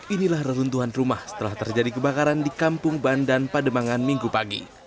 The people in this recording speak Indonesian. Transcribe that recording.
inilah reruntuhan rumah setelah terjadi kebakaran di kampung bandan pademangan minggu pagi